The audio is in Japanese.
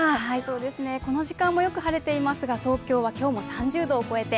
この時間もよく晴れていますが東京は今日も３０度を超えて